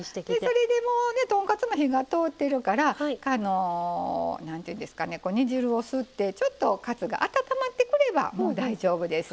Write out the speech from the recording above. それでもうね豚カツが火が通ってるから何ていうんですかね煮汁を吸ってちょっとカツが温まってくればもう大丈夫です。